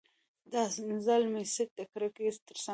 دا ځل مې سیټ د کړکۍ ترڅنګ و.